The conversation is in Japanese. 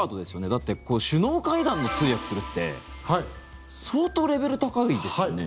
だって、首脳会談の通訳するって相当レベル高いですよね。